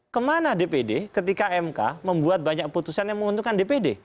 kemana dpd ketika mk membuat banyak putusan yang menguntungkan dpd